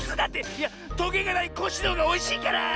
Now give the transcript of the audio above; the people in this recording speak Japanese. いやトゲがないコッシーのほうがおいしいから！